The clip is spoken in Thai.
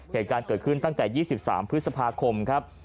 เหตุการณ์เกิดขึ้นตั้งแต่๒๓พฤษภาคมครับ